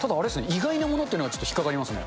意外なものっていうのがちょっと引っ掛かりますね。